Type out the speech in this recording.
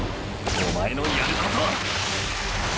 おまえのやることは！！